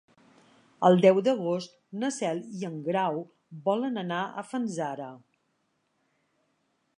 El deu d'agost na Cel i en Grau volen anar a Fanzara.